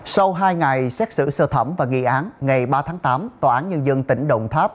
sau hai ngày xét xử sơ thẩm và nghị án ngày ba tháng tám tòa án nhân dân tỉnh đồng tháp